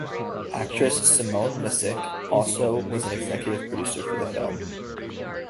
Actress Simone Missick also was an executive producer for the film.